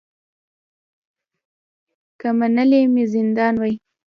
که منلی مي زندان وای